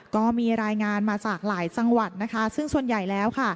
ก็มีรายงานมาจากหลายจังหวัดนะคะซึ่งส่วนใหญ่แล้วค่ะ